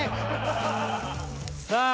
さあ！